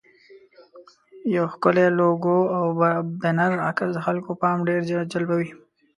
یو ښکلی لوګو او بنر عکس د خلکو پام ډېر راجلبوي.